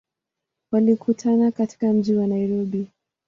Walikutana katika mji wa Nairobi.